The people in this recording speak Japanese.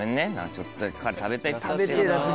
ちょっとだけ彼食べたいって。